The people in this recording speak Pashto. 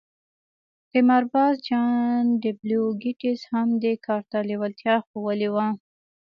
قمارباز جان ډبلیو ګیټس هم دې کار ته لېوالتیا ښوولې وه